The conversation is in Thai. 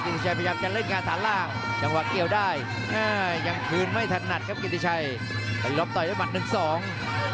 กิติชัยพยายามจะเล่นการสารล่าง